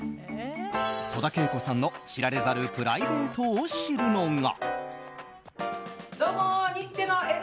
戸田恵子さんの知られざるプライベートを知るのが。